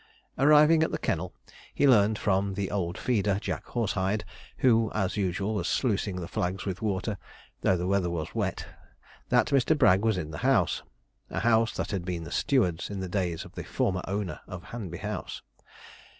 Arriving at the kennel, he learned from the old feeder, Jack Horsehide, who, as usual, was sluicing the flags with water, though the weather was wet, that Mr. Bragg was in the house (a house that had been the steward's in the days of the former owner of Hanby House).